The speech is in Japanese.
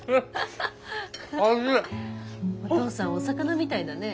お父さんお魚みたいだね。